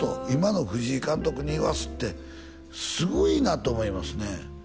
今の藤井監督に言わすってすごいなと思いますね